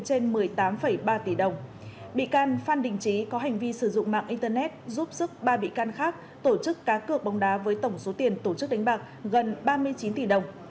trên một mươi tám ba tỷ đồng bị can phan đình trí có hành vi sử dụng mạng internet giúp giúp ba bị can khác tổ chức cá cược bóng đá với tổng số tiền tổ chức đánh bạc gần ba mươi chín tỷ đồng